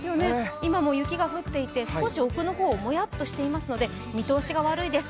今も雪が降っていて、少し奥のほうもやっとしていますので見通しが悪いです。